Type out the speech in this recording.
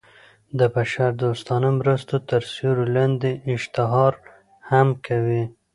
د بشر دوستانه مرستو تر سیورې لاندې اشتهار هم کوي.